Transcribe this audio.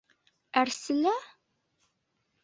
— Әрселә?!